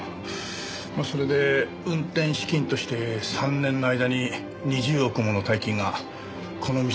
まあそれで運転資金として３年の間に２０億もの大金がこの店に流れ込んだんですね？